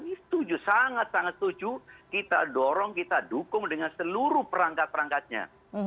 ini setuju sangat sangat setuju kita dorong kita dukung dengan seluruh perangkat perangkatnya